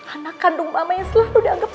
anak kandung apa yang selalu dianggap